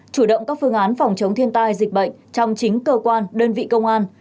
chủ động các phương án phòng chống thiên tai dịch bệnh trong chính cơ quan đơn vị công an